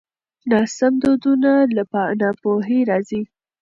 ناسم دودونه له ناپوهۍ راځي.